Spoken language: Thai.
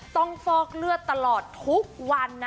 ต้องฟอกเลือดตลอดทุกวัน